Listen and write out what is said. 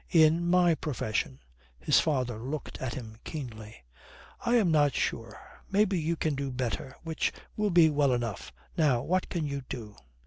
"In my profession " His father looked at him keenly. "I am not sure. Maybe you can do better, which will be well enough. Now, what can you do?